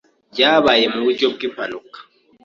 Byabaye Mu buryo bw’impanuka